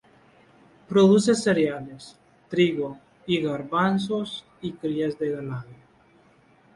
Produce cereales, trigo y garbanzos y cría de ganado.